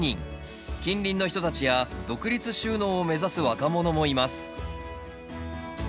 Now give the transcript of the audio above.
近隣の人たちや独立就農を目指す若者もいます